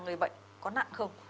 người bệnh có nặng không